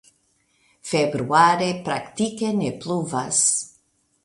Februare praktike ne pluvas.